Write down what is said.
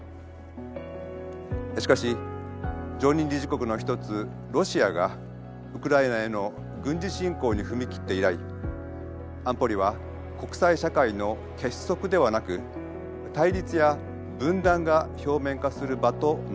しかし常任理事国の一つロシアがウクライナへの軍事侵攻に踏み切って以来安保理は国際社会の結束ではなく対立や分断が表面化する場となっています。